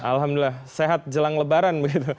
alhamdulillah sehat jelang lebaran begitu